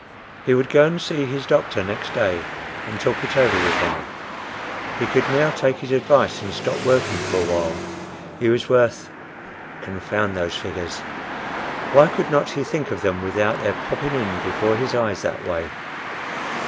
He would go and see his doctor next day and talk it over with him. He could now take his advice and stop working for a while; he was worth—Confound those figures! Why could not he think of them without their popping in before his eyes that way!